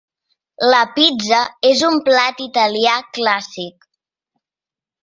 La pizza és un plat italià clàssic.